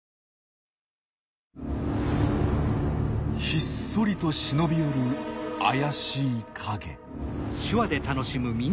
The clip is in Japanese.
ひっそりと忍び寄る怪しい影。